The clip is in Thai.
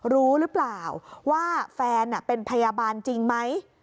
รู้หรือเปล่าว่าแฟนเป็นพยาบาลจริงไหม